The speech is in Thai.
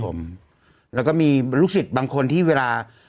ผมแล้วก็มีลูกศิษย์บางคนที่เวลา